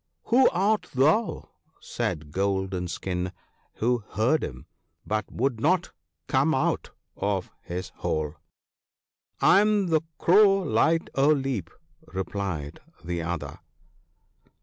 '' Who art thou ?' said Golden skin, who heard him, but would not come out of his hole. 1 1 am the Crow Light o' Leap/ replied the other.